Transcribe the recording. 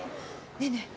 ねえねえ。